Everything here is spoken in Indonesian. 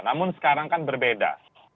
namun sekarang kan berbeda